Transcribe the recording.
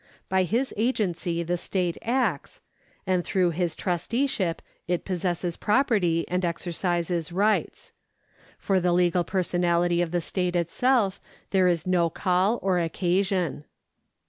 By his agency the state acts, and through his trusteeship it possesses property and exer cises rights. For the legal personality of the state itself there is no call or occasion.